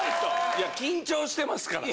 いや緊張してますから。